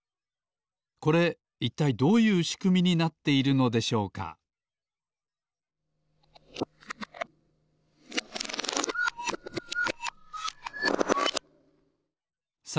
これいったいどういうしくみになっているのでしょうかさ